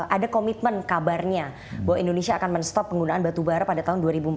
ada komitmen kabarnya bahwa indonesia akan men stop penggunaan batubara pada tahun dua ribu empat puluh